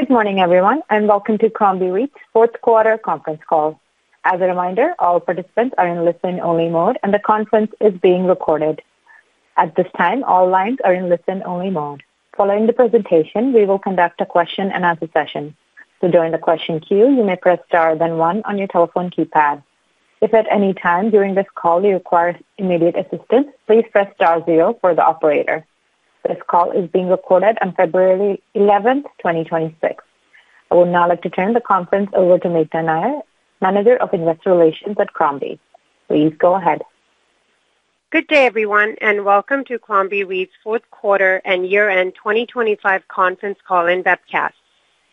Good morning, everyone, and welcome to Crombie REIT's fourth quarter conference call. As a reminder, all participants are in listen-only mode, and the conference is being recorded. At this time, all lines are in listen-only mode. Following the presentation, we will conduct a question-and-answer session. To join the question queue, you may press Star, then one on your telephone keypad. If at any time during this call you require immediate assistance, please press star zero for the operator. This call is being recorded on February eleventh, 2026. I would now like to turn the conference over to Meghna Nair, Manager of Investor Relations at Crombie. Please go ahead. Good day, everyone, and welcome to Crombie REIT's fourth quarter and year-end 2025 conference call and webcast.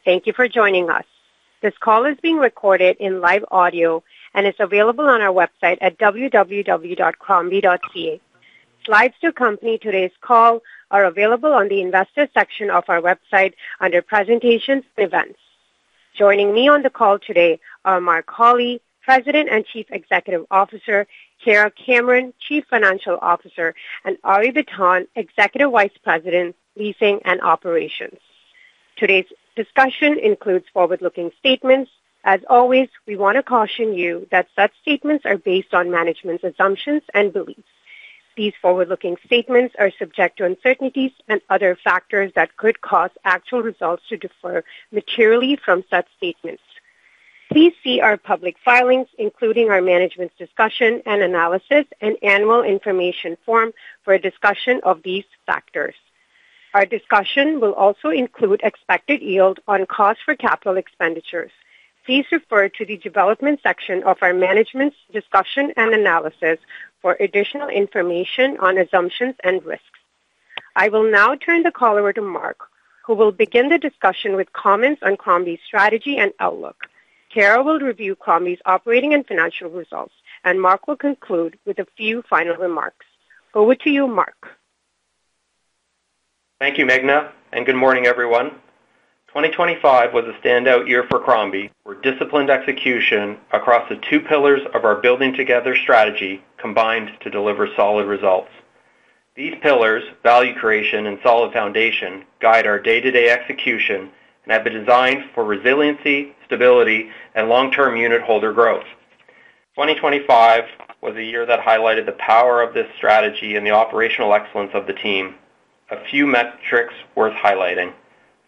Thank you for joining us. This call is being recorded in live audio and is available on our website at www.crombie.ca. Slides to accompany today's call are available on the Investor section of our website under Presentations & Events. Joining me on the call today are Mark Hawley, President and Chief Executive Officer; Kara Cameron, Chief Financial Officer; and Arie Bitan, Executive Vice President, Leasing and Operations. Today's discussion includes forward-looking statements. As always, we want to caution you that such statements are based on management's assumptions and beliefs. These forward-looking statements are subject to uncertainties and other factors that could cause actual results to differ materially from such statements. Please see our public filings, including our Management's Discussion and Analysis and Annual Information Form, for a discussion of these factors. Our discussion will also include expected yield on cost for capital expenditures. Please refer to the development section of our Management's Discussion and Analysis for additional information on assumptions and risks. I will now turn the call over to Mark, who will begin the discussion with comments on Crombie's strategy and outlook. Kara will review Crombie's operating and financial results, and Mark will conclude with a few final remarks. Over to you, Mark. Thank you, Meghna, and good morning, everyone. 2025 was a standout year for Crombie, where disciplined execution across the two pillars of our Building Together strategy combined to deliver solid results. These pillars, Value Creation and Solid Foundation, guide our day-to-day execution and have been designed for resiliency, stability, and long-term unitholder growth. 2025 was a year that highlighted the power of this strategy and the operational excellence of the team. A few metrics worth highlighting.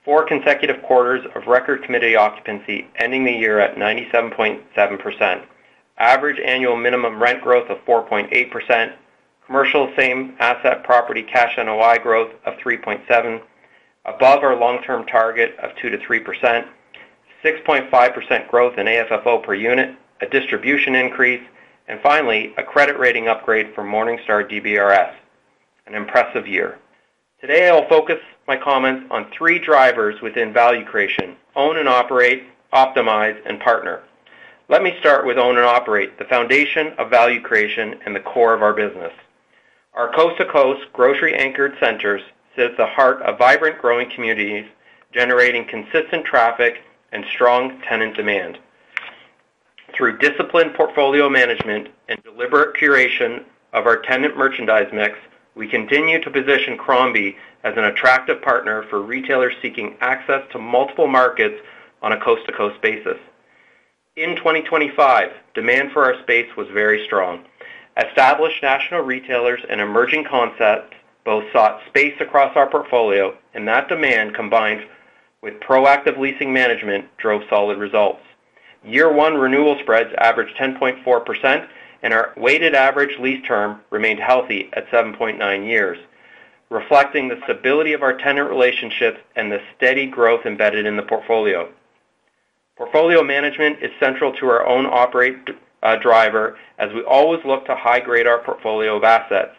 Four consecutive quarters of record committed occupancy, ending the year at 97.7%. Average annual minimum rent growth of 4.8%. Commercial same asset property cash NOI growth of 3.7%, above our long-term target of 2%-3%. 6.5% growth in AFFO per unit, a distribution increase, and finally, a credit rating upgrade from Morningstar DBRS. An impressive year. Today, I will focus my comments on three drivers within Value Creation: Own and Operate, Optimize, and Partner. Let me start with Own and Operate, the foundation of Value Creation and the core of our business. Our coast-to-coast, grocery-anchored centers sit at the heart of vibrant, growing communities, generating consistent traffic and strong tenant demand. Through disciplined portfolio management and deliberate curation of our tenant merchandise mix, we continue to position Crombie as an attractive Partner for retailers seeking access to multiple markets on a coast-to-coast basis. In 2025, demand for our space was very strong. Established national retailers and emerging concepts both sought space across our portfolio, and that demand, combined with proactive leasing management, drove solid results. Year-one renewal spreads averaged 10.4%, and our weighted average lease term remained healthy at 7.9 years, reflecting the stability of our tenant relationships and the steady growth embedded in the portfolio. Portfolio management is central to our own operate driver, as we always look to high-grade our portfolio of assets.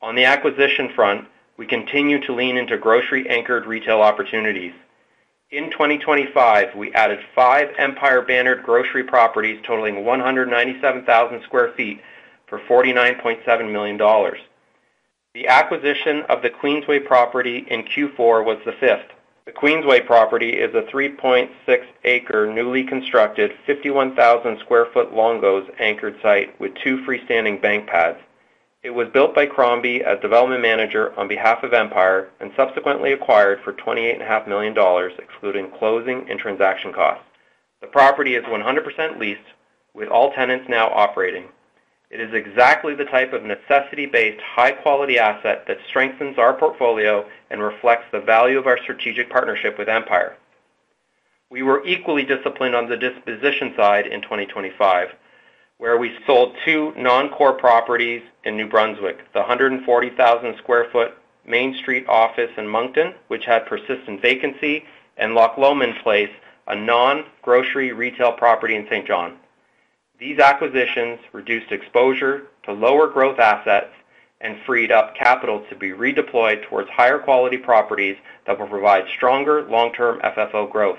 On the acquisition front, we continue to lean into grocery-anchored retail opportunities. In 2025, we added five Empire-bannered grocery properties totaling 197,000 sq ft for 49.7 million dollars. The acquisition of The Queensway property in Q4 was the fifth. The Queensway property is a 3.6-acre, newly constructed, 51,000 sq ft Longo's anchored site with two freestanding bank pads. It was built by Crombie as development manager on behalf of Empire and subsequently acquired for 28.5 million dollars, excluding closing and transaction costs. The property is 100% leased, with all tenants now operating. It is exactly the type of necessity-based, high-quality asset that strengthens our portfolio and reflects the value of our strategic partnership with Empire. We were equally disciplined on the disposition side in 2025, where we sold two non-core properties in New Brunswick: the 140,000 sq ft Main Street office in Moncton, which had persistent vacancy, and Loch Lomond Place, a non-grocery retail property in Saint John. These acquisitions reduced exposure to lower growth assets and freed up capital to be redeployed towards higher-quality properties that will provide stronger long-term FFO growth.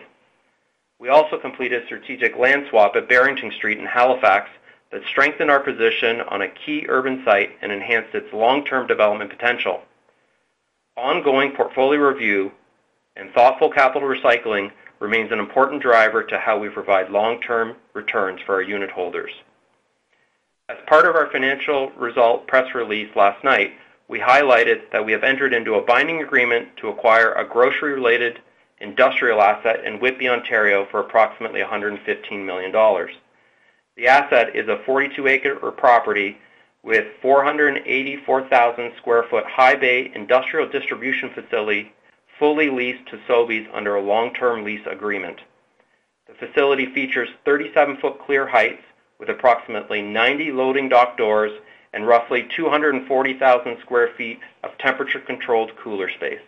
We also completed a strategic land swap at Barrington Street in Halifax that strengthened our position on a key urban site and enhanced its long-term development potential. Ongoing portfolio review and thoughtful capital recycling remains an important driver to how we provide long-term returns for our unitholders. As part of our financial result press release last night, we highlighted that we have entered into a binding agreement to acquire a grocery-related industrial asset in Whitby, Ontario, for approximately 115 million dollars. The asset is a 42-acre property with 484,000 sq ft high bay industrial distribution facility, fully leased to Sobeys under a long-term lease agreement. The facility features 37-foot clear heights, with approximately 90 loading dock doors and roughly 240,000 sq ft of temperature-controlled cooler space.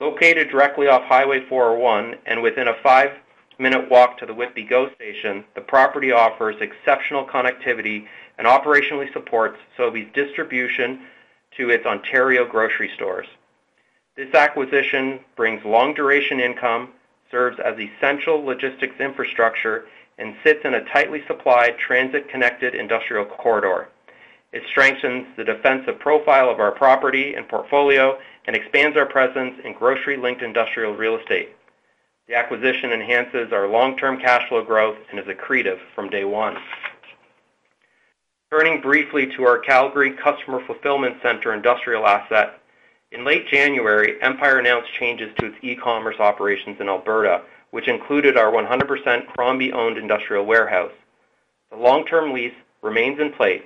Located directly off Highway 401 and within a 5-minute walk to the Whitby GO Station, the property offers exceptional connectivity and operationally supports Sobeys distribution to its Ontario grocery stores. This acquisition brings long-duration income, serves as essential logistics infrastructure, and sits in a tightly supplied, transit-connected industrial corridor. It strengthens the defensive profile of our property and portfolio and expands our presence in grocery-linked industrial real estate. The acquisition enhances our long-term cash flow growth and is accretive from day one. Turning briefly to our Calgary Customer Fulfillment Centre industrial asset, in late January, Empire announced changes to its e-commerce operations in Alberta, which included our 100% Crombie-owned industrial warehouse. The long-term lease remains in place.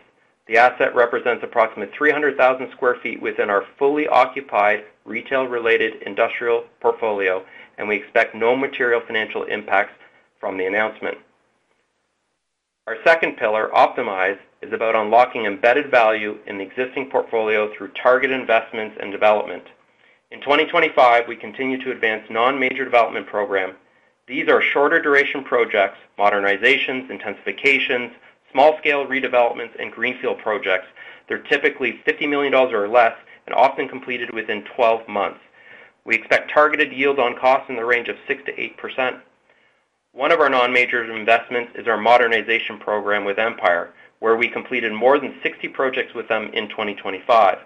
The asset represents approximately 300,000 sq ft within our fully occupied, retail-related industrial portfolio, and we expect no material financial impacts from the announcement. Our second pillar, Optimize, is about unlocking embedded value in the existing portfolio through target investments and development. In 2025, we continued to advance non-major development program. These are shorter duration projects, modernizations, intensifications, small-scale redevelopments, and greenfield projects. They're typically 50 million dollars or less and often completed within 12 months. We expect targeted yields on costs in the range of 6%-8%. One of our non-major investments is our modernization program with Empire, where we completed more than 60 projects with them in 2025.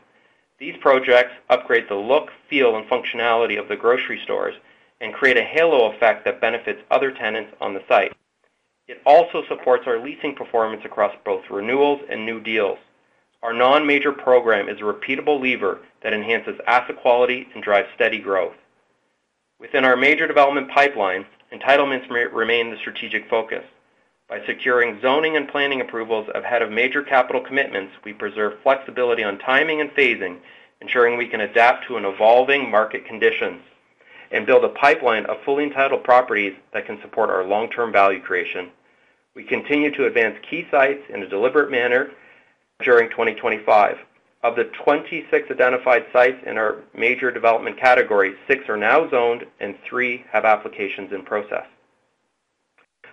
These projects upgrade the look, feel, and functionality of the grocery stores and create a halo effect that benefits other tenants on the site. It also supports our leasing performance across both renewals and new deals. Our non-major program is a repeatable lever that enhances asset quality and drives steady growth. Within our major development pipeline, entitlements remain the strategic focus. By securing zoning and planning approvals ahead of major capital commitments, we preserve flexibility on timing and phasing, ensuring we can adapt to an evolving market conditions and build a pipeline of fully entitled properties that can support our long-term Value Creation. We continued to advance key sites in a deliberate manner during 2025. Of the 26 identified sites in our major development category, six are now zoned and three have applications in process.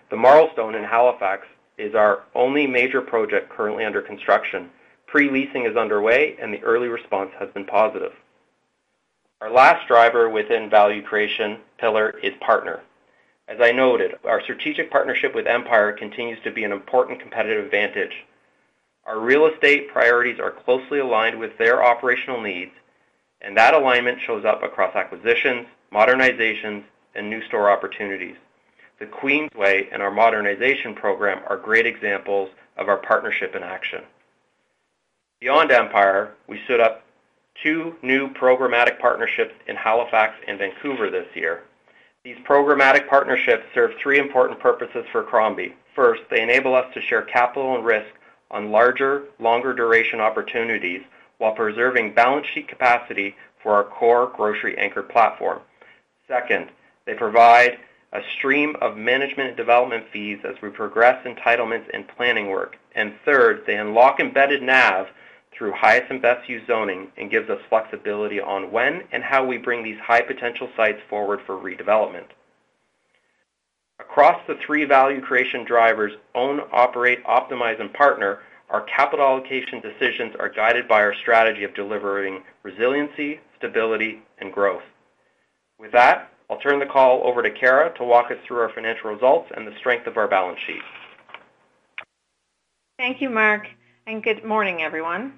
The Marlstone in Halifax is our only major project currently under construction. Pre-leasing is underway and the early response has been positive. Our last driver within Value Creation pillar is Partner. As I noted, our strategic partnership with Empire continues to be an important competitive advantage. Our real estate priorities are closely aligned with their operational needs, and that alignment shows up across acquisitions, modernizations, and new store opportunities. The Queensway and our modernization program are great examples of our partnership in action. Beyond Empire, we stood up two new programmatic partnerships in Halifax and Vancouver this year. These programmatic partnerships serve three important purposes for Crombie. First, they enable us to share capital and risk on larger, longer duration opportunities while preserving balance sheet capacity for our core grocery anchor platform. Second, they provide a stream of management and development fees as we progress entitlements and planning work. And third, they unlock embedded NAV through highest and best use zoning and gives us flexibility on when and how we bring these high-potential sites forward for redevelopment. Across the three Value Creation drivers, Own, Operate, Optimize, and Partner, our capital allocation decisions are guided by our strategy of delivering resiliency, stability, and growth. With that, I'll turn the call over to Kara to walk us through our financial results and the strength of our balance sheet. Thank you, Mark, and good morning, everyone.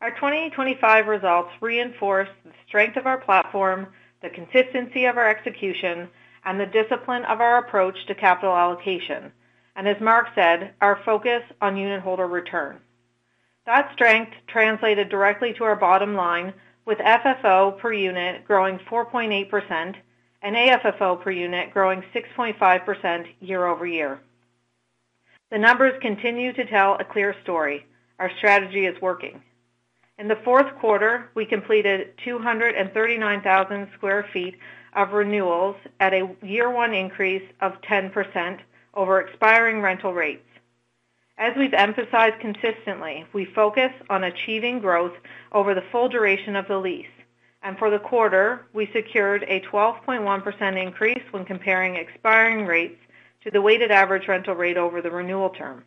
Our 2025 results reinforce the strength of our platform, the consistency of our execution, and the discipline of our approach to capital allocation, and as Mark said, our focus on unitholder return. That strength translated directly to our bottom line, with FFO per unit growing 4.8% and AFFO per unit growing 6.5% year-over-year. The numbers continue to tell a clear story: Our strategy is working. In the fourth quarter, we completed 239,000 sq ft of renewals at a year one increase of 10% over expiring rental rates. As we've emphasized consistently, we focus on achieving growth over the full duration of the lease, and for the quarter, we secured a 12.1% increase when comparing expiring rates to the weighted average rental rate over the renewal term.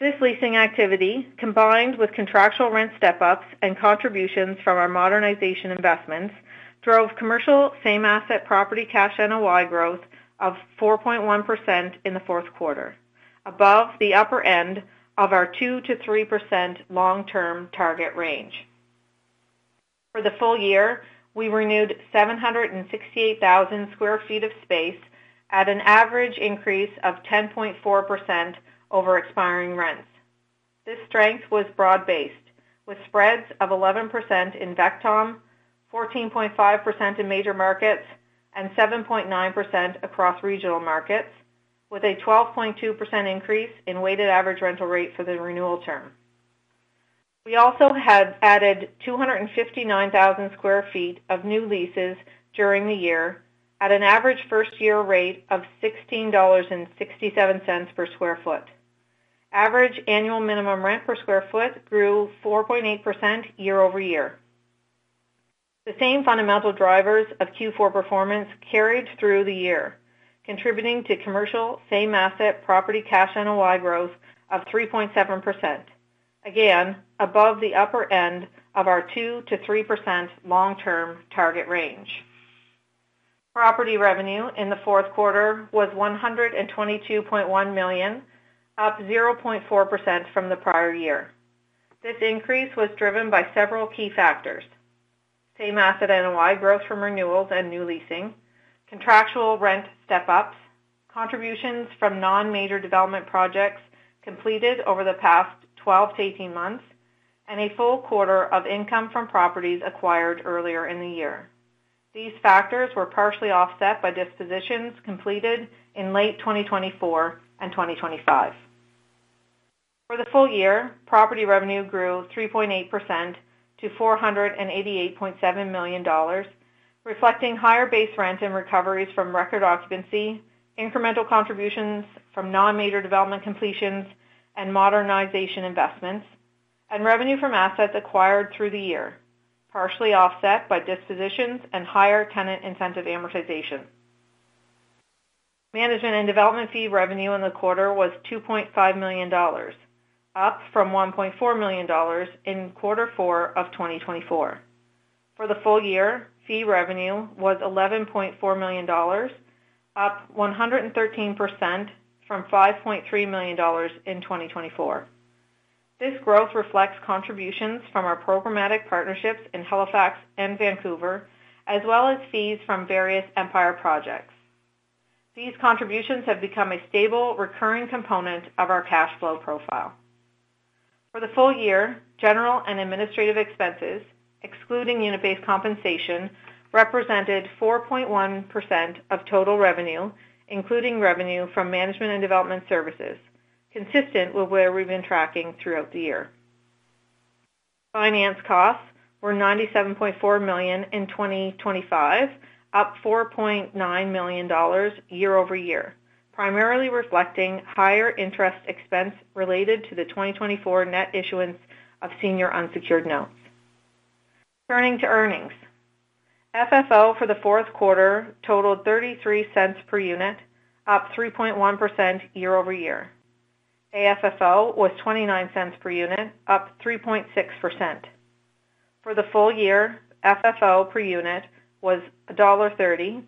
This leasing activity, combined with contractual rent step-ups and contributions from our modernization investments, drove commercial same asset property cash NOI growth of 4.1% in the fourth quarter, above the upper end of our 2%-3% long-term target range. For the full year, we renewed 768,000 sq ft of space at an average increase of 10.4% over expiring rents. This strength was broad-based, with spreads of 11% in VECTOM, 14.5% in major markets, and 7.9% across regional markets, with a 12.2% increase in weighted average rental rate for the renewal term. We also had added 259,000 sq ft of new leases during the year at an average first-year rate of 16.67 dollars per sq ft. Average annual minimum rent per sq ft grew 4.8% year-over-year. The same fundamental drivers of Q4 performance carried through the year, contributing to commercial same asset, property, cash, NOI growth of 3.7%. Again, above the upper end of our 2%-3% long-term target range. Property revenue in the fourth quarter was 122.1 million, up 0.4% from the prior year. This increase was driven by several key factors: same asset NOI growth from renewals and new leasing, contractual rent step-ups, contributions from non-major development projects completed over the past 12-18 months, and a full quarter of income from properties acquired earlier in the year. These factors were partially offset by dispositions completed in late 2024 and 2025. For the full year, property revenue grew 3.8% to 488.7 million dollars, reflecting higher base rent and recoveries from record occupancy, incremental contributions from non-major development completions and modernization investments, and revenue from assets acquired through the year, partially offset by dispositions and higher tenant incentive amortization. Management and development fee revenue in the quarter was 2.5 million dollars, up from 1.4 million dollars in quarter four of 2024. For the full year, fee revenue was 11.4 million dollars, up 113% from 5.3 million dollars in 2024. This growth reflects contributions from our programmatic partnerships in Halifax and Vancouver, as well as fees from various Empire projects. These contributions have become a stable, recurring component of our cash flow profile. For the full year, general and administrative expenses, excluding unit-based compensation, represented 4.1% of total revenue, including revenue from management and development services, consistent with where we've been tracking throughout the year. Finance costs were 97.4 million in 2025, up 4.9 million dollars year-over-year, primarily reflecting higher interest expense related to the 2024 net issuance of senior unsecured notes. Turning to earnings. FFO for the fourth quarter totaled 0.33 per unit, up 3.1% year-over-year. AFFO was 0.29 per unit, up 3.6%. For the full year, FFO per unit was dollar 1.30,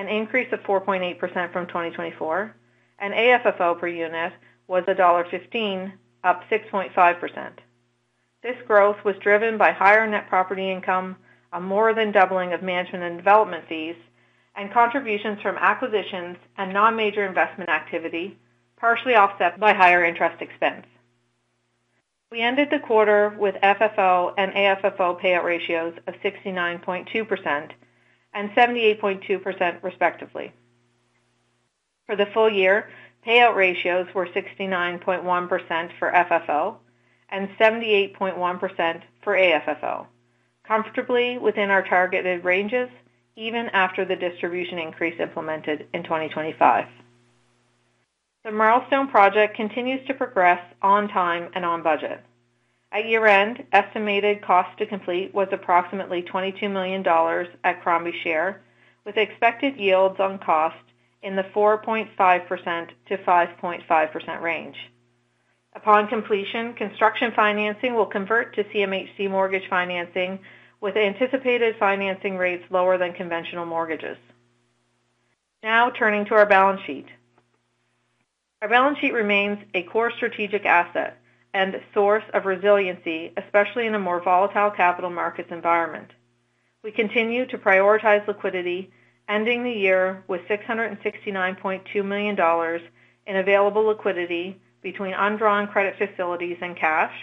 an increase of 4.8% from 2024, and AFFO per unit was dollar 1.15, up 6.5%. This growth was driven by higher net property income, a more than doubling of management and development fees, and contributions from acquisitions and non-major investment activity, partially offset by higher interest expense. We ended the quarter with FFO and AFFO payout ratios of 69.2% and 78.2%, respectively. For the full year, payout ratios were 69.1% for FFO and 78.1% for AFFO, comfortably within our targeted ranges even after the distribution increase implemented in 2025. The Marlstone project continues to progress on time and on budget. At year-end, estimated cost to complete was approximately 22 million dollars at Crombie share, with expected yields on cost in the 4.5%-5.5% range. Upon completion, construction financing will convert to CMHC mortgage financing, with anticipated financing rates lower than conventional mortgages. Now, turning to our balance sheet. Our balance sheet remains a core strategic asset and a source of resiliency, especially in a more volatile capital markets environment. We continue to prioritize liquidity, ending the year with 669.2 million dollars in available liquidity between undrawn credit facilities and cash,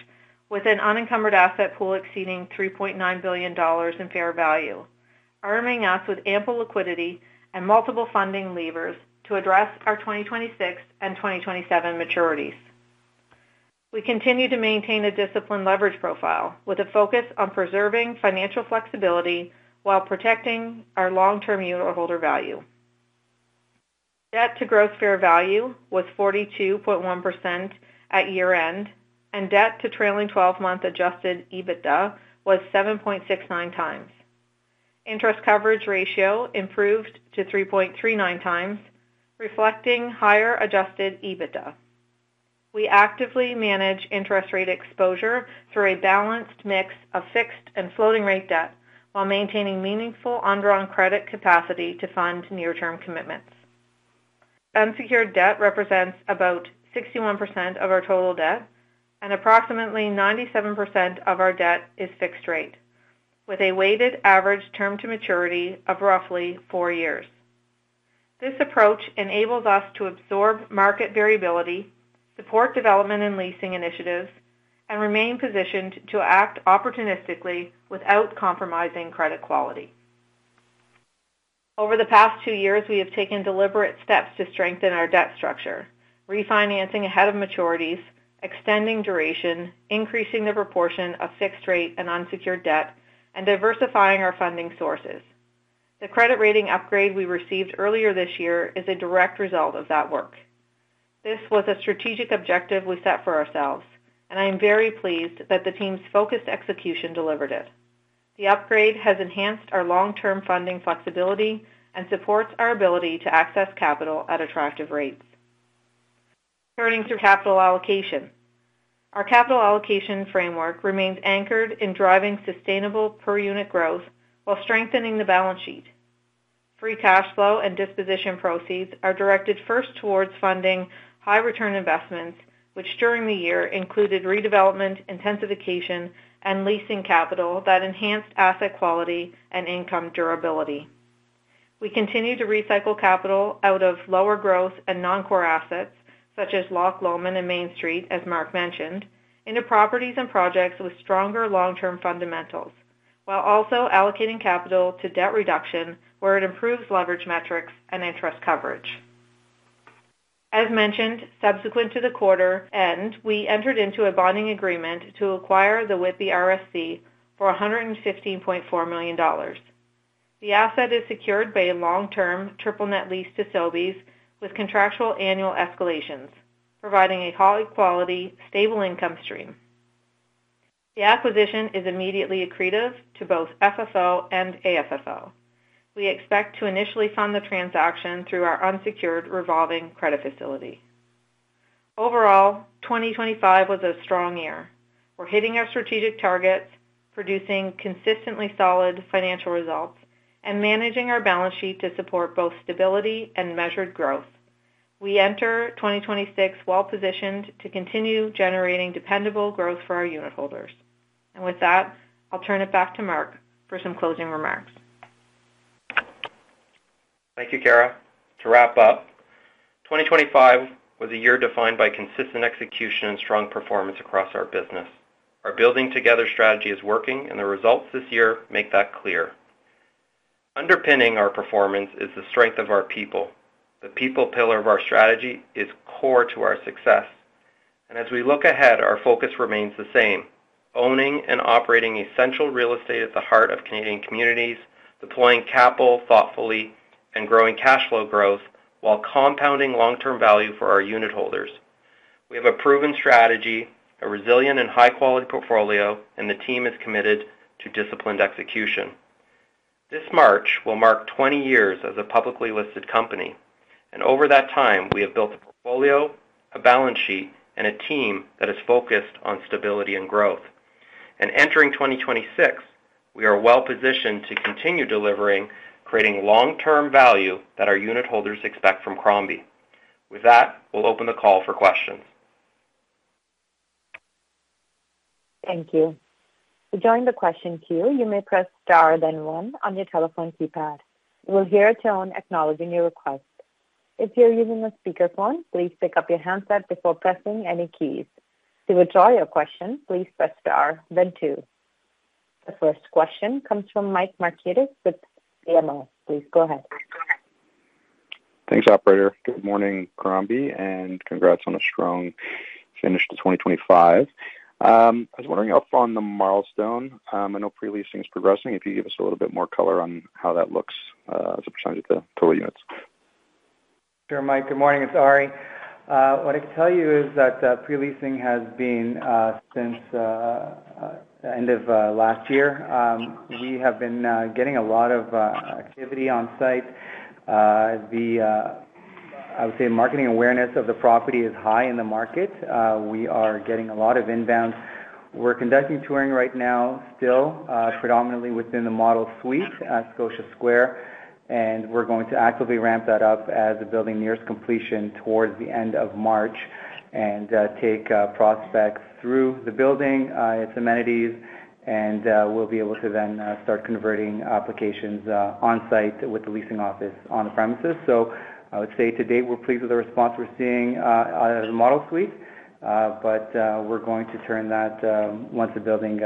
with an unencumbered asset pool exceeding 3.9 billion dollars in fair value, arming us with ample liquidity and multiple funding levers to address our 2026 and 2027 maturities. We continue to maintain a disciplined leverage profile with a focus on preserving financial flexibility while protecting our long-term unitholder value. Debt to gross fair value was 42.1% at year-end, and debt to trailing 12-month adjusted EBITDA was 7.69 times. Interest coverage ratio improved to 3.39 times, reflecting higher adjusted EBITDA. We actively manage interest rate exposure through a balanced mix of fixed and floating rate debt, while maintaining meaningful undrawn credit capacity to fund near-term commitments. Unsecured debt represents about 61% of our total debt, and approximately 97% of our debt is fixed rate, with a weighted average term to maturity of roughly 4 years. This approach enables us to absorb market variability, support development and leasing initiatives, and remain positioned to act opportunistically without compromising credit quality. Over the past 2 years, we have taken deliberate steps to strengthen our debt structure, refinancing ahead of maturities, extending duration, increasing the proportion of fixed rate and unsecured debt, and diversifying our funding sources. The credit rating upgrade we received earlier this year is a direct result of that work. This was a strategic objective we set for ourselves, and I am very pleased that the team's focused execution delivered it. The upgrade has enhanced our long-term funding flexibility and supports our ability to access capital at attractive rates. Turning to capital allocation. Our capital allocation framework remains anchored in driving sustainable per unit growth while strengthening the balance sheet. Free cash flow and disposition proceeds are directed first towards funding high return investments, which during the year included redevelopment, intensification, and leasing capital that enhanced asset quality and income durability. We continue to recycle capital out of lower growth and non-core assets, such as Loch Lomond and Main Street, as Mark mentioned, into properties and projects with stronger long-term fundamentals, while also allocating capital to debt reduction, where it improves leverage metrics and interest coverage. As mentioned, subsequent to the quarter end, we entered into a bonding agreement to acquire the Whitby RSC for 115.4 million dollars. The asset is secured by a long-term triple net lease to Sobeys, with contractual annual escalations, providing a high-quality, stable income stream. The acquisition is immediately accretive to both FFO and AFFO. We expect to initially fund the transaction through our unsecured revolving credit facility. Overall, 2025 was a strong year. We're hitting our strategic targets, producing consistently solid financial results, and managing our balance sheet to support both stability and measured growth. We enter 2026 well-positioned to continue generating dependable growth for our unitholders. And with that, I'll turn it back to Mark for some closing remarks. Thank you, Kara. To wrap up, 2025 was a year defined by consistent execution and strong performance across our business. Our Building Together strategy is working, and the results this year make that clear. Underpinning our performance is the strength of our people. The people pillar of our strategy is core to our success. And as we look ahead, our focus remains the same: owning and operating essential real estate at the heart of Canadian communities, deploying capital thoughtfully and growing cash flow growth, while compounding long-term value for our unitholders. We have a proven strategy, a resilient and high-quality portfolio, and the team is committed to disciplined execution. This March will mark 20 years as a publicly listed company, and over that time, we have built a portfolio, a balance sheet, and a team that is focused on stability and growth. Entering 2026, we are well-positioned to continue delivering, creating long-term value that our unitholders expect from Crombie. With that, we'll open the call for questions. Thank you. To join the question queue, you may press Star, then One on your telephone keypad. You will hear a tone acknowledging your request. If you're using a speakerphone, please pick up your handset before pressing any keys. To withdraw your question, please press Star then Two. The first question comes from Mike Markidis with BMO. Please go ahead. Thanks, operator. Good morning, Crombie, and congrats on a strong finish to 2025. I was wondering how far on the Marlstone. I know pre-leasing is progressing. If you could give us a little bit more color on how that looks, as a percentage of the total units. Sure, Mike. Good morning, it's Arie. What I can tell you is that pre-leasing has been, since end of last year, we have been getting a lot of activity on site. I would say marketing awareness of the property is high in the market. We are getting a lot of inbound. We're conducting touring right now, still, predominantly within the model suite at Scotia Square, and we're going to actively ramp that up as the building nears completion towards the end of March and take prospects through the building, its amenities, and we'll be able to then start converting applications on-site with the leasing office on the premises. So I would say to date, we're pleased with the response we're seeing out of the model suite, but we're going to turn that once the building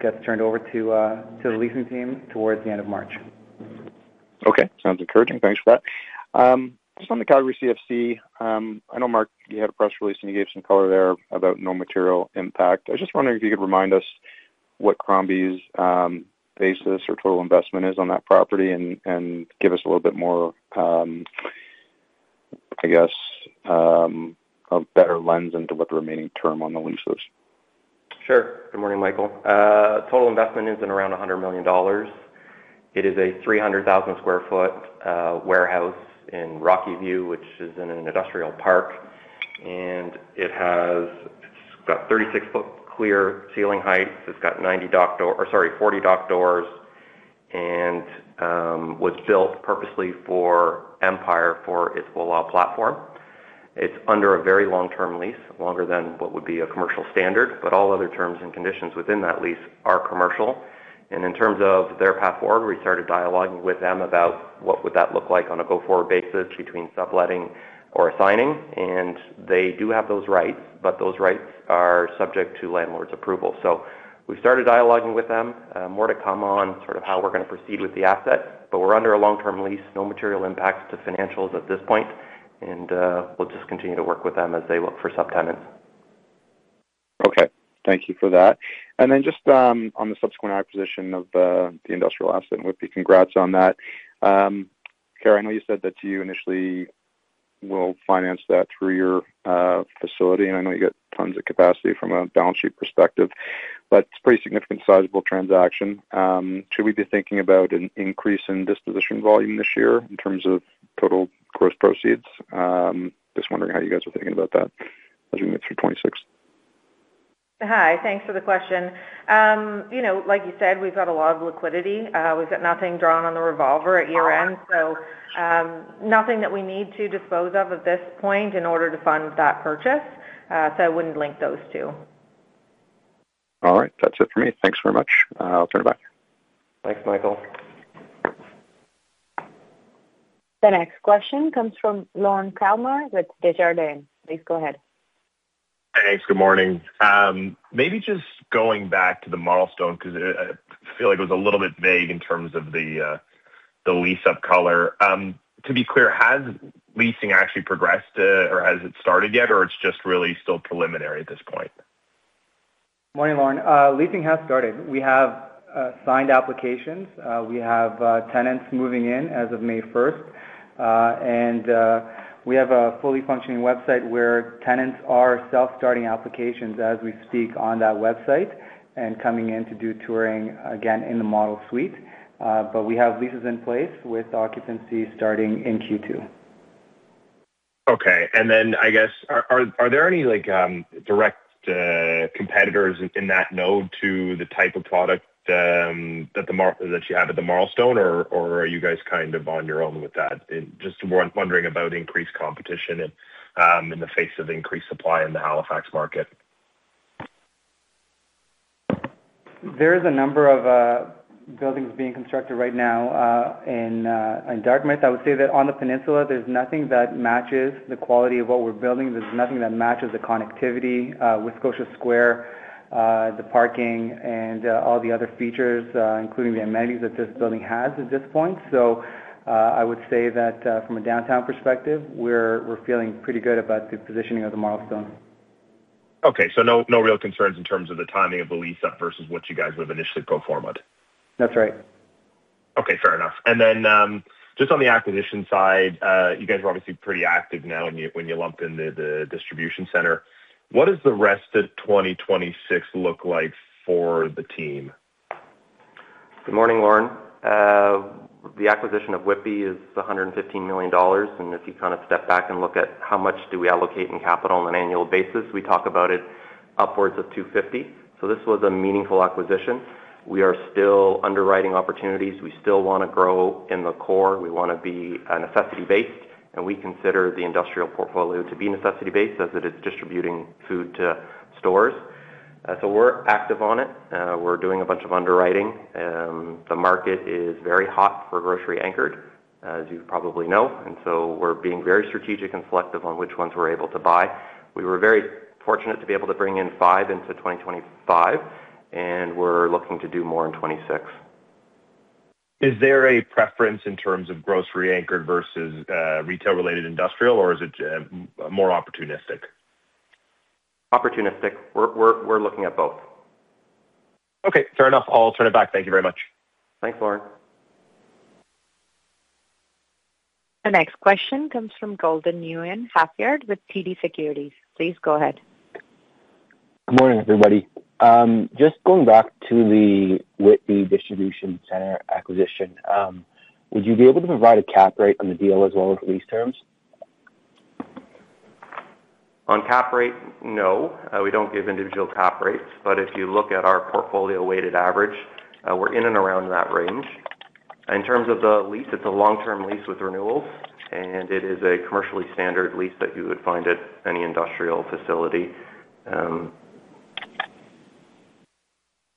gets turned over to the leasing team towards the end of March. Okay. Sounds encouraging. Thanks for that. Just on the Calgary CFC, I know, Mark, you had a press release, and you gave some color there about no material impact. I was just wondering if you could remind us what Crombie's basis or total investment is on that property and give us a little bit more, I guess, a better lens into what the remaining term on the lease is. Sure. Good morning, Michael. Total investment is in around 100 million dollars. It is a 300,000 sq ft warehouse in Rocky View, which is in an industrial park, and it has, it's got 36-foot clear ceiling heights. It's got 90 dock door, or sorry, 40 dock doors, and was built purposely for Empire, for its Voilà platform. It's under a very long-term lease, longer than what would be a commercial standard, but all other terms and conditions within that lease are commercial. And in terms of their path forward, we started dialoguing with them about what would that look like on a go-forward basis between subletting or assigning. And they do have those rights, but those rights are subject to landlord's approval. So we started dialoguing with them, more to come on, sort of how we're gonna proceed with the asset. But we're under a long-term lease, no material impacts to financials at this point, and we'll just continue to work with them as they look for subtenants. Okay, thank you for that. Then just on the subsequent acquisition of the industrial asset and with the congrats on that. Kara, I know you said that you initially will finance that through your facility, and I know you get tons of capacity from a balance sheet perspective, but it's a pretty significant sizable transaction. Should we be thinking about an increase in disposition volume this year in terms of total gross proceeds? Just wondering how you guys are thinking about that as we get through 2026. Hi, thanks for the question. You know, like you said, we've got a lot of liquidity. We've got nothing drawn on the revolver at year-end, so, nothing that we need to dispose of at this point in order to fund that purchase. So I wouldn't link those two. All right. That's it for me. Thanks very much. I'll turn it back. Thanks, Michael. The next question comes from Lorne Kalmar with Desjardins. Please go ahead. Thanks. Good morning. Maybe just going back to the Marlstone, because I, I feel like it was a little bit vague in terms of the, the lease-up color. To be clear, has leasing actually progressed, or has it started yet, or it's just really still preliminary at this point? Morning, Lauren. Leasing has started. We have signed applications. We have tenants moving in as of May first. And we have a fully functioning website where tenants are self-starting applications as we speak on that website and coming in to do touring again in the model suite. But we have leases in place with occupancy starting in Q2. Okay. Then, I guess, are there any, like, direct competitors in that node to the type of product that you have at the Marlstone, or are you guys kind of on your own with that? Just wondering about increased competition and in the face of increased supply in the Halifax market. There is a number of buildings being constructed right now in Dartmouth. I would say that on the peninsula, there's nothing that matches the quality of what we're building. There's nothing that matches the connectivity with Scotia Square, the parking and all the other features, including the amenities that this building has at this point. So I would say that from a downtown perspective, we're feeling pretty good about the positioning of the Marlstone. Okay, so no, no real concerns in terms of the timing of the lease up versus what you guys have initially go forward. That's right. Okay, fair enough. And then, just on the acquisition side, you guys are obviously pretty active now when you lump in the distribution center. What does the rest of 2026 look like for the team? Good morning, Lorne. The acquisition of Whitby is 115 million dollars, and if you kind of step back and look at how much do we allocate in capital on an annual basis, we talk about it upwards of 250 million. So this was a meaningful acquisition. We are still underwriting opportunities. We still wanna grow in the core. We wanna be necessity-based, and we consider the industrial portfolio to be necessity-based as it is distributing food to stores. So we're active on it. We're doing a bunch of underwriting. The market is very hot for grocery anchored, as you probably know, and so we're being very strategic and selective on which ones we're able to buy. We were very fortunate to be able to bring in 5 in 2025, and we're looking to do more in 2026. Is there a preference in terms of grocery-anchored versus retail-related industrial, or is it more opportunistic? Opportunistic. We're looking at both. Okay, fair enough. I'll turn it back. Thank you very much. Thanks, Lauren. The next question comes from Gord Halfyard with TD Securities. Please go ahead. Good morning, everybody. Just going back to the Whitby distribution center acquisition, would you be able to provide a cap rate on the deal as well as lease terms? On cap rate? No. We don't give individual cap rates, but if you look at our portfolio weighted average, we're in and around that range. In terms of the lease, it's a long-term lease with renewals, and it is a commercially standard lease that you would find at any industrial facility.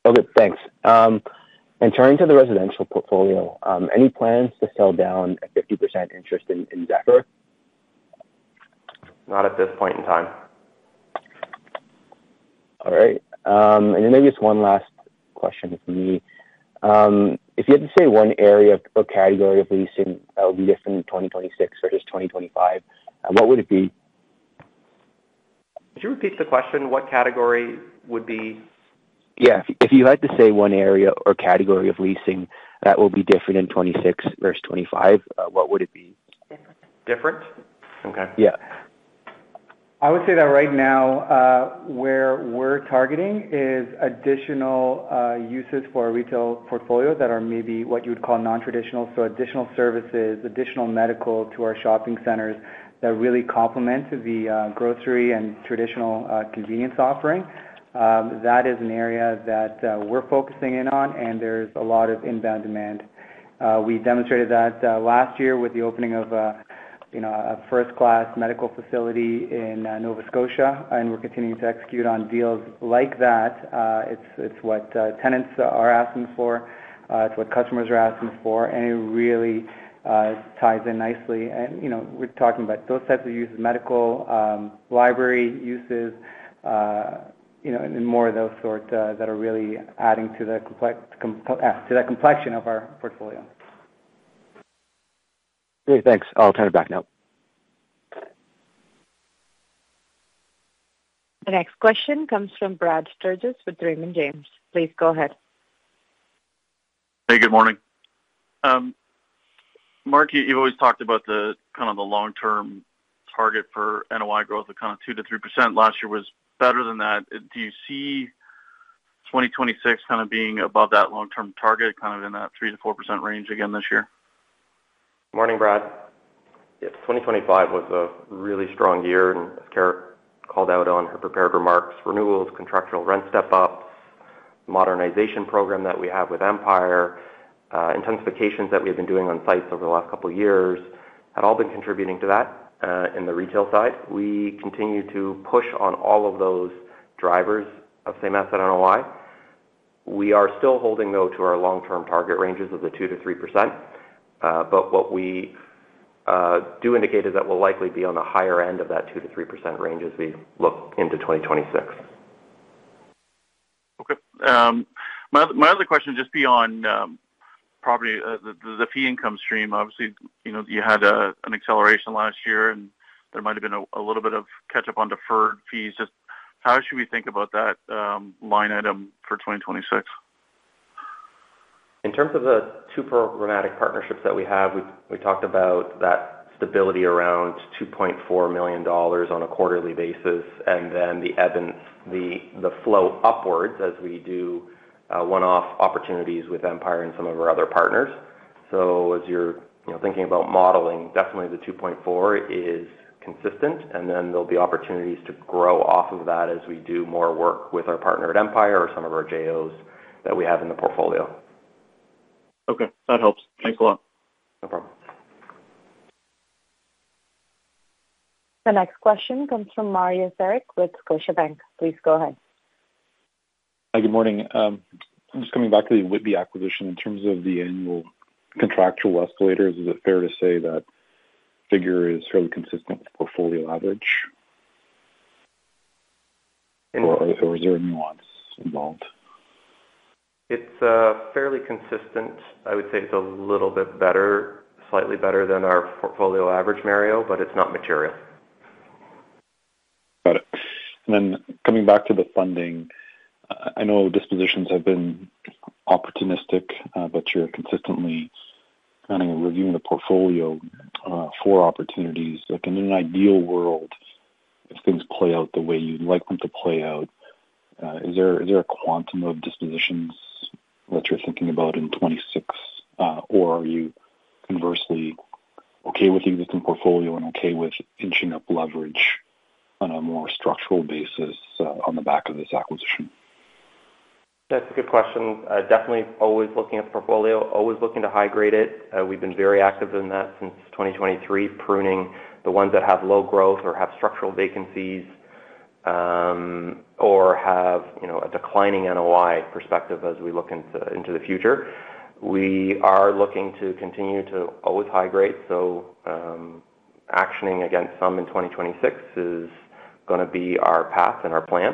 Okay, thanks. Turning to the residential portfolio, any plans to sell down a 50% interest in Zephyr? Not at this point in time. All right. And then maybe just one last question for me. If you had to say one area or category of leasing that would be different in 2026 or just 2025, what would it be? Could you repeat the question? What category would be...? Yeah. If you had to say one area or category of leasing that will be different in 2026 versus 2025, what would it be? Different. Different? Okay. Yeah. I would say that right now, where we're targeting is additional uses for our retail portfolio that are maybe what you would call non-traditional. So additional services, additional medical to our shopping centers that really complement the grocery and traditional convenience offering. That is an area that we're focusing in on, and there's a lot of inbound demand.... We demonstrated that last year with the opening of a, you know, a first-class medical facility in Nova Scotia, and we're continuing to execute on deals like that. It's, it's what tenants are asking for, it's what customers are asking for, and it really ties in nicely. And, you know, we're talking about those types of uses, medical, library uses, you know, and, and more of those sort, that are really adding to the complexion of our portfolio. Great, thanks. I'll turn it back now. The next question comes from Brad Sturges with Raymond James. Please go ahead. Hey, good morning. Mark, you've always talked about the kind of the long-term target for NOI growth of kind of 2%-3%. Last year was better than that. Do you see 2026 kind of being above that long-term target, kind of in that 3%-4% range again this year? Morning, Brad. Yeah, 2025 was a really strong year, and as Kara called out on her prepared remarks, renewals, contractual rent step-ups, modernization program that we have with Empire, intensifications that we've been doing on sites over the last couple of years, have all been contributing to that, in the retail side. We continue to push on all of those drivers of same asset NOI. We are still holding, though, to our long-term target ranges of the 2%-3%. But what we do indicate is that we'll likely be on the higher end of that 2%-3% range as we look into 2026. Okay. My other question, just beyond probably the fee income stream. Obviously, you know, you had an acceleration last year, and there might have been a little bit of catch up on deferred fees. Just how should we think about that line item for 2026? In terms of the two programmatic partnerships that we have, we talked about that stability around 2.4 million dollars on a quarterly basis, and then the ebb and the flow upwards as we do one-off opportunities with Empire and some of our other Partners. So as you're, you know, thinking about modeling, definitely the two point four is consistent, and then there'll be opportunities to grow off of that as we do more work with our Partner at Empire or some of our JOs that we have in the portfolio. Okay, that helps. Thanks a lot. No problem. The next question comes from Mario Saric with Scotiabank. Please go ahead. Hi, good morning. Just coming back to the Whitby acquisition. In terms of the annual contractual escalators, is it fair to say that figure is fairly consistent with the portfolio average? Or, or is there a nuance involved? It's fairly consistent. I would say it's a little bit better, slightly better than our portfolio average, Mario, but it's not material. Got it. And then coming back to the funding, I know dispositions have been opportunistic, but you're consistently kind of reviewing the portfolio for opportunities. Like, in an ideal world, if things play out the way you'd like them to play out, is there a quantum of dispositions that you're thinking about in 2026? Or are you conversely okay with the existing portfolio and okay with inching up leverage on a more structural basis, on the back of this acquisition? That's a good question. Definitely always looking at the portfolio, always looking to high-grade it. We've been very active in that since 2023, pruning the ones that have low growth or have structural vacancies, or have, you know, a declining NOI perspective as we look into, into the future. We are looking to continue to always high-grade, so, actioning against some in 2026 is gonna be our path and our plan.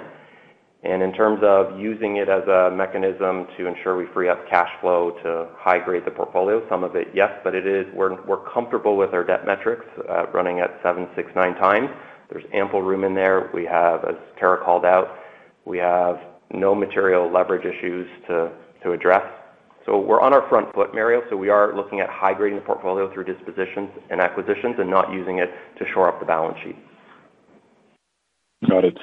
And in terms of using it as a mechanism to ensure we free up cash flow to high-grade the portfolio, some of it, yes, but it is-- we're, we're comfortable with our debt metrics, running at 7.69x. There's ample room in there. We have, as Kara called out, we have no material leverage issues to, to address. We're on our front foot, Mario, so we are looking at high-grading the portfolio through dispositions and acquisitions and not using it to shore up the balance sheet. Got it.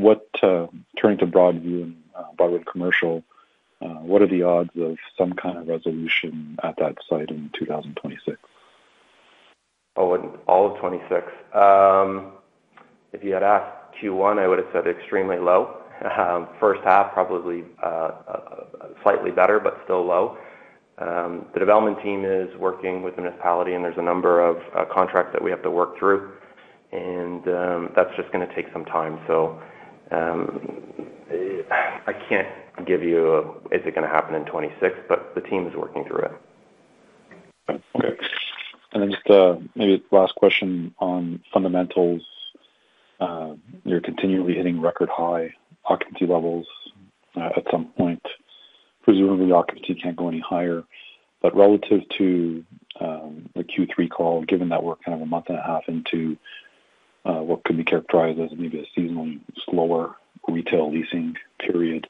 And turning to Broadway and Commercial, what are the odds of some kind of resolution at that site in 2026? Oh, in all of 2026. If you had asked Q1, I would have said extremely low. First half, probably, slightly better, but still low. The development team is working with the municipality, and there's a number of contracts that we have to work through, and that's just gonna take some time. So, I can't give you a, "Is it gonna happen in 2026?" But the team is working through it. Okay. And then just, maybe last question on fundamentals. You're continually hitting record high occupancy levels. At some point, presumably, occupancy can't go any higher. But relative to, the Q3 call, given that we're kind of a month and a half into, what could be characterized as maybe a seasonally slower retail leasing period,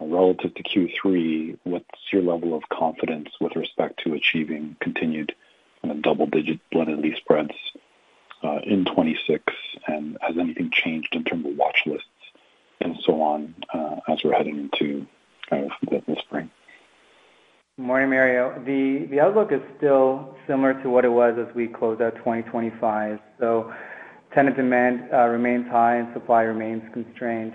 relative to Q3, what's your level of confidence with respect to achieving continued kind of double-digit blended lease spreads, in 2026? And has anything changed in terms of watch lists and so on, as we're heading into, the spring? Morning, Mario. The outlook is still similar to what it was as we closed out 2025. So- ...tenant demand remains high and supply remains constrained.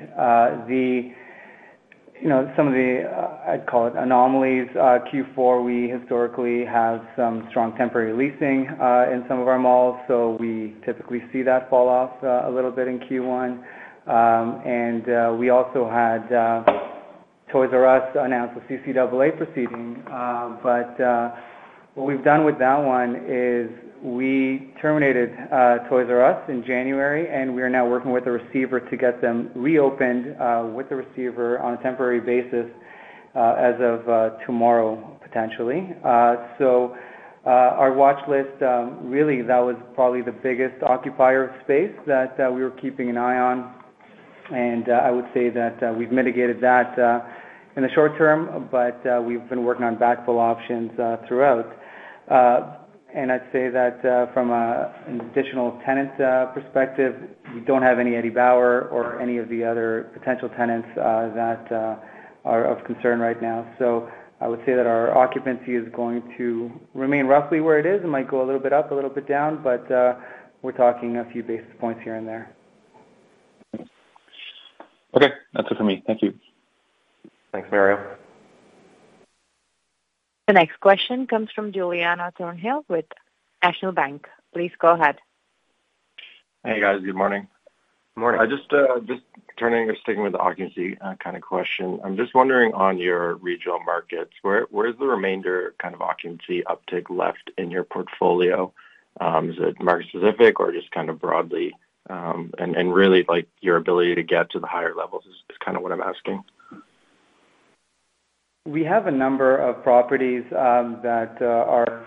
You know, some of the, I'd call it, anomalies in Q4, we historically have some strong temporary leasing in some of our malls, so we typically see that fall off a little bit in Q1. We also had Toys"R"Us announce a CCAA proceeding. But what we've done with that one is we terminated Toys"R"Us in January, and we are now working with the receiver to get them reopened with the receiver on a temporary basis as of tomorrow, potentially. So, our watch list, really, that was probably the biggest occupier space that we were keeping an eye on, and I would say that we've mitigated that in the short term, but we've been working on backfill options throughout. And I'd say that from an additional tenant perspective, we don't have any Eddie Bauer or any of the other potential tenants that are of concern right now. So I would say that our occupancy is going to remain roughly where it is. It might go a little bit up, a little bit down, but we're talking a few basis points here and there. Okay. That's it for me. Thank you. Thanks, Mario. The next question comes from Julianna Thornhill with National Bank. Please go ahead. Hey, guys. Good morning. Good morning. I just just turning or sticking with the occupancy kind of question. I'm just wondering, on your regional markets, where, where is the remainder kind of occupancy uptick left in your portfolio? Is it market specific or just kind of broadly, and, and really, like, your ability to get to the higher levels is, is kind of what I'm asking. We have a number of properties that are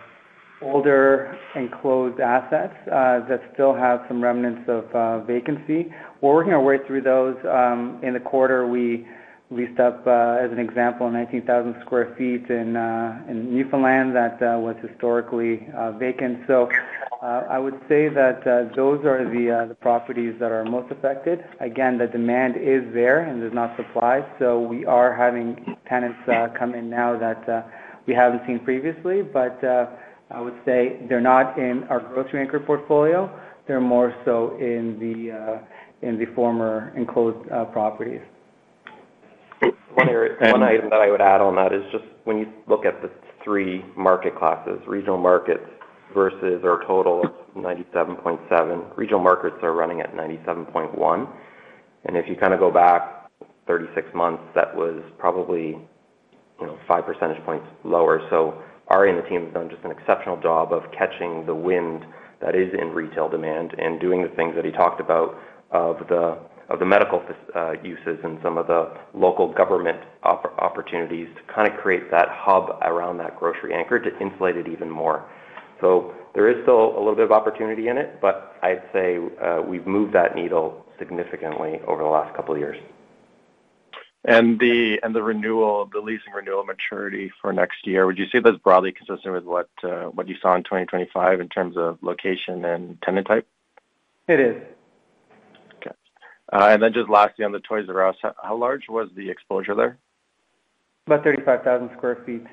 older, enclosed assets that still have some remnants of vacancy. We're working our way through those. In the quarter, we leased up, as an example, 19,000 sq ft in Newfoundland that was historically vacant. So, I would say that those are the properties that are most affected. Again, the demand is there and there's not supply, so we are having tenants come in now that we haven't seen previously. But, I would say they're not in our grocery anchor portfolio. They're more so in the former enclosed properties. One area- And- One item that I would add on that is just when you look at the 3 market classes, regional markets versus our total, 97.7, regional markets are running at 97.1. If you kind of go back 36 months, that was probably, you know, 5 percentage points lower. Arie and the team have done just an exceptional job of catching the wind that is in retail demand and doing the things that he talked about of the medical uses and some of the local government opportunities to kind of create that hub around that grocery anchor to insulate it even more. There is still a little bit of opportunity in it, but I'd say we've moved that needle significantly over the last couple of years. The renewal, the leasing renewal maturity for next year, would you say that's broadly consistent with what you saw in 2025 in terms of location and tenant type? It is. Okay. And then just lastly, on the Toys"R"Us, how large was the exposure there? About 35,000 sq ft.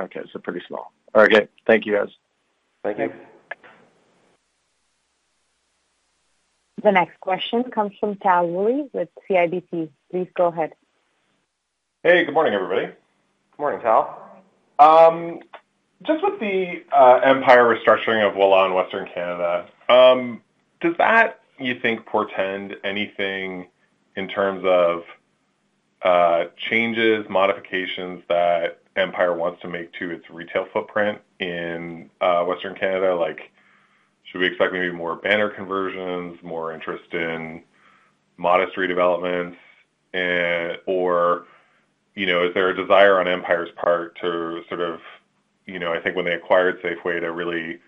Okay, so pretty small. All right, good. Thank you, guys. Thank you. Thanks. The next question comes from Tal Woolley with CIBC. Please go ahead. Hey, good morning, everybody. Good morning, Tal. Just with the Empire restructuring of Voilà in Western Canada, does that, you think, portend anything in terms of changes, modifications that Empire wants to make to its retail footprint in Western Canada? Like, should we expect maybe more banner conversions, more interest in modest redevelopments, eh, or, you know, is there a desire on Empire's part to sort of, you know, I think when they acquired Safeway, to really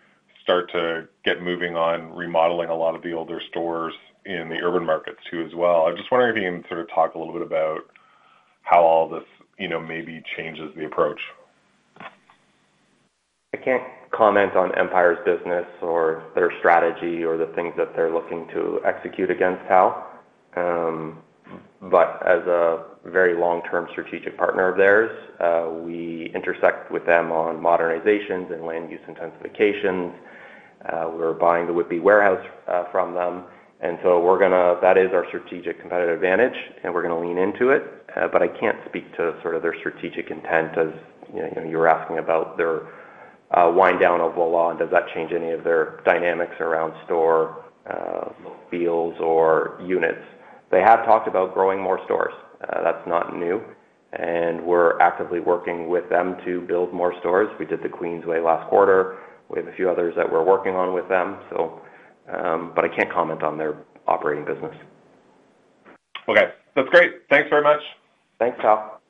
start to get moving on remodeling a lot of the older stores in the urban markets too, as well? I'm just wondering if you can sort of talk a little bit about how all this, you know, maybe changes the approach. I can't comment on Empire's business or their strategy or the things that they're looking to execute against, Tal. But as a very long-term strategic partner of theirs, we intersect with them on modernizations and land use intensifications. We're buying the Whitby warehouse from them, and so we're gonna—that is our strategic competitive advantage, and we're going to lean into it. But I can't speak to sort of their strategic intent as, you know, you were asking about their wind down of Voilà, and does that change any of their dynamics around store deals or units? They have talked about growing more stores. That's not new, and we're actively working with them to build more stores. We did the Queensway last quarter. We have a few others that we're working on with them, so... But I can't comment on their operating business. Okay. That's great. Thanks very much. Thanks, Tal.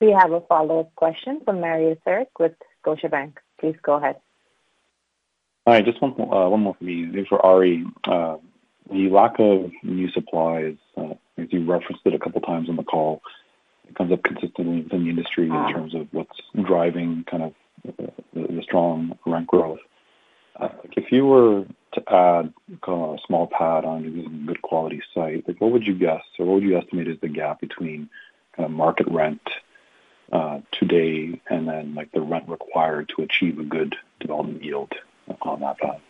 We have a follow-up question from Mario Saric with Scotiabank. Please go ahead. Hi, just one, one more for me. This is for Ari. The lack of new supplies, as you referenced it a couple times on the call, it comes up consistently within the industry in terms of what's driving kind of the strong rent growth. If you were to add kind of a small pad on a good quality site, like, what would you guess, or what would you estimate is the gap between kind of market rent... today, and then, like, the rent required to achieve a good development yield on that thought?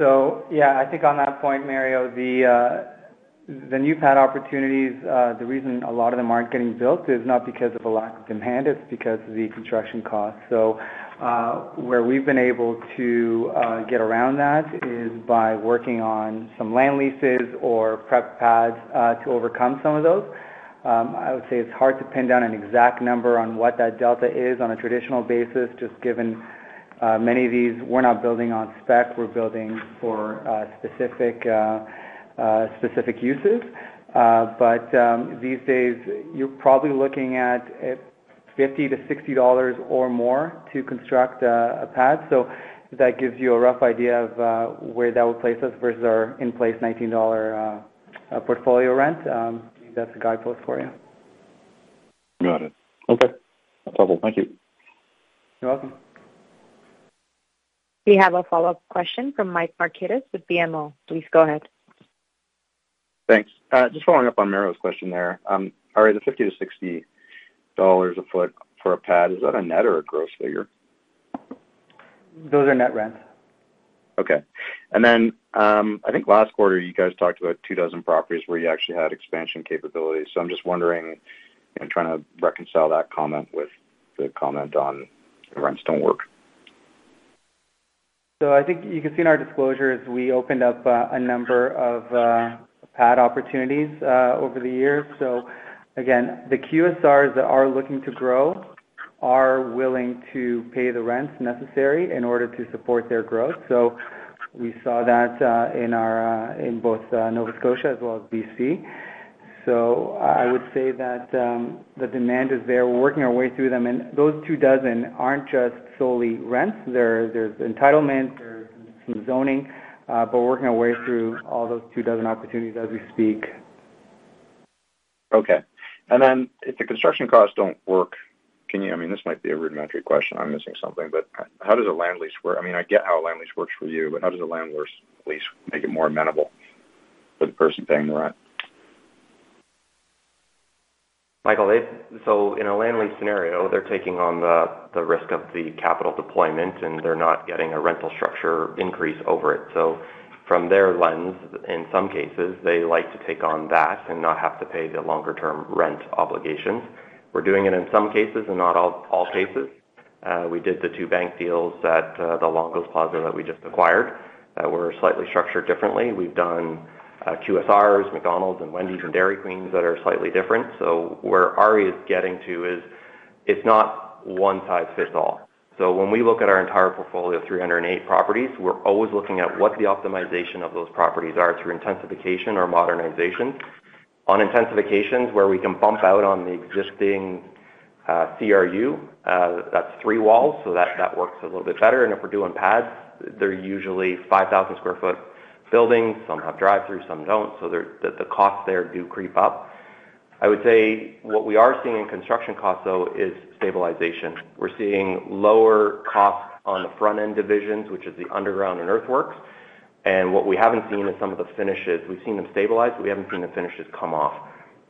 So, yeah, I think on that point, Mario, the new pad opportunities, the reason a lot of them aren't getting built is not because of a lack of demand, it's because of the construction costs. So, where we've been able to get around that is by working on some land leases or prep pads to overcome some of those. I would say it's hard to pin down an exact number on what that delta is on a traditional basis, just given many of these, we're not building on spec, we're building for specific specific uses. But these days, you're probably looking at 50-60 dollars or more to construct a pad. So that gives you a rough idea of where that would place us versus our in-place 19 dollar portfolio rent. That's a guidepost for you. Got it. Okay. No trouble. Thank you. You're welcome. We have a follow-up question from Mike Markidis with BMO. Please go ahead. Thanks. Just following up on Mario's question there. All right, the 50-60 dollars a foot for a pad, is that a net or a gross figure? Those are net rents. Okay. And then, I think last quarter, you guys talked about 24 properties where you actually had expansion capabilities. So I'm just wondering and trying to reconcile that comment with the comment on the rents don't work. So I think you can see in our disclosures, we opened up a number of pad opportunities over the years. So again, the QSRs that are looking to grow are willing to pay the rents necessary in order to support their growth. So we saw that in our in both Nova Scotia as well as BC. So I would say that the demand is there. We're working our way through them, and those 24 aren't just solely rents. There, there's entitlement, there's some zoning, but we're working our way through all those 24 opportunities as we speak. Okay. And then, if the construction costs don't work, can you... I mean, this might be a rudimentary question, I'm missing something, but how does a land lease work? I mean, I get how a land lease works for you, but how does a land lease make it more amenable for the person paying the rent? Michael, they. So in a land lease scenario, they're taking on the risk of the capital deployment, and they're not getting a rental structure increase over it. So from their lens, in some cases, they like to take on that and not have to pay the longer-term rent obligations. We're doing it in some cases and not all cases. We did the two bank deals at the Longo's Plaza that we just acquired, that were slightly structured differently. We've done QSRs, McDonald's and Wendy's, and Dairy Queens that are slightly different. So where Arie is getting to is, it's not one-size-fits-all. So when we look at our entire portfolio of 308 properties, we're always looking at what the optimization of those properties are through intensification or modernization. On intensifications, where we can bump out on the existing CRU, that's three walls, so that works a little bit better. And if we're doing pads, they're usually 5,000 sq ft buildings. Some have drive-through, some don't, so the costs there do creep up. I would say what we are seeing in construction costs, though, is stabilization. We're seeing lower costs on the front-end divisions, which is the underground and earthworks. And what we haven't seen is some of the finishes. We've seen them stabilize, but we haven't seen the finishes come off.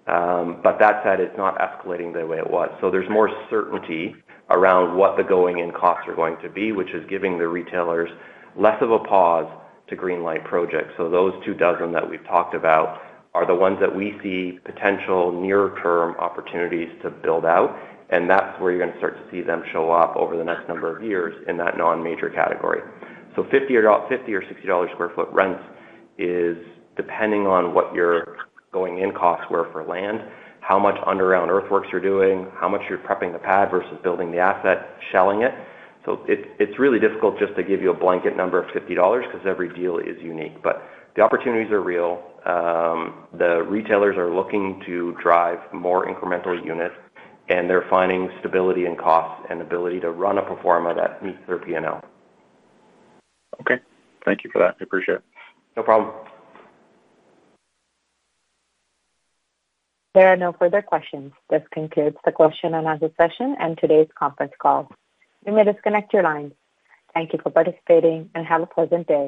But that said, it's not escalating the way it was. So there's more certainty around what the going-in costs are going to be, which is giving the retailers less of a pause to greenlight projects. So those 24 that we've talked about are the ones that we see potential near-term opportunities to build out, and that's where you're going to start to see them show up over the next number of years in that non-major category. So 50 or 60 dollar sq ft rents is depending on what your going-in costs were for land, how much underground earthworks you're doing, how much you're prepping the pad versus building the asset, shelling it. So it, it's really difficult just to give you a blanket number of 50 dollars, because every deal is unique. But the opportunities are real. The retailers are looking to drive more incremental units, and they're finding stability in costs and ability to run a pro forma that meets their P&L. Okay. Thank you for that. I appreciate it. No problem. There are no further questions. This concludes the question-and-answer session and today's conference call. You may disconnect your lines. Thank you for participating, and have a pleasant day.